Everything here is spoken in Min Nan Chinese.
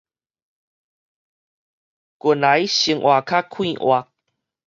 近來生活較快活